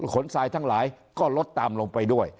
ทรายทั้งหลายก็ลดตามลงไปด้วย